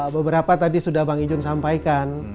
beberapa tadi sudah bang ijun sampaikan